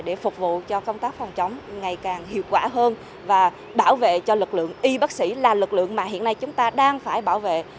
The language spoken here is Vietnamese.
để phục vụ cho công tác phòng chống ngày càng hiệu quả hơn và bảo vệ cho lực lượng y bác sĩ là lực lượng mà hiện nay chúng ta đang phải bảo vệ